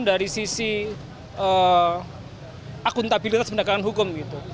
dari sisi akuntabilitas pendagangan hukum